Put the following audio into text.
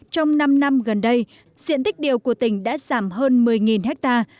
trong năm năm gần đây diện tích điều của tỉnh đã giảm hơn một mươi hectare